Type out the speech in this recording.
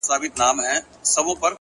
خپل اصول مه پلورئ.